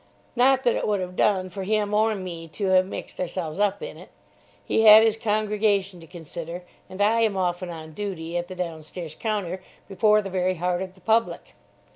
Not that it would have done for him or me to have mixed ourselves up in it. He had his congregation to consider, and I am often on duty at the downstairs counter before the very heart of the public.